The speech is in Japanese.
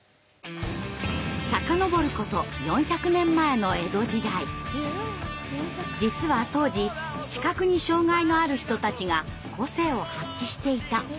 遡ること４００年前の「実は当時視覚に障害のある人たちが個性を発揮していた」。